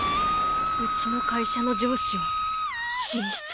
うちの会社の上司は神出鬼没